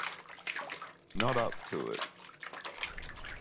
Not up to it.